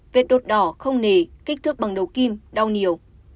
vết đốt đỏ không nề kích thước bằng đầu kim đau nhiều